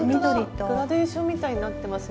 グラデーションみたいになってます。